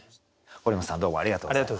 堀本さんどうもありがとうございました。